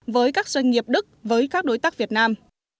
với các doanh nghiệp đức với các đối tác việt nam